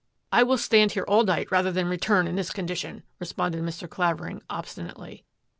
" I will stand here all night rather than return in this condition," responded Mr. Qavering obsti nately.